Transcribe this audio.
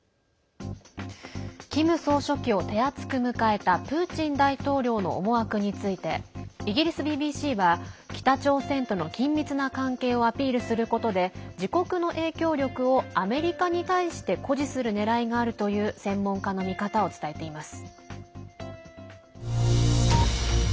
キム総書記を手厚く迎えたプーチン大統領の思惑についてイギリスＢＢＣは北朝鮮との緊密な関係をアピールすることで自国の影響力をアメリカに対して誇示するねらいがあるという専門家の見方を伝えています。